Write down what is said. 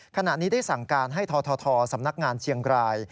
ขณะนี้ได้สั่งการให้ททสำนักงานเชียงราย